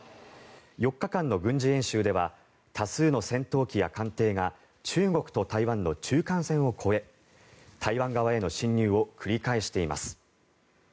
４日間の軍事演習では多数の戦闘機や艦艇が中国と台湾の中間線を越え台湾側への進入を繰り返しています。